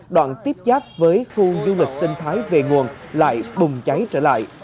đoạn tiếp giáp với khu du lịch sinh thái về nguồn lại bùng cháy trở lại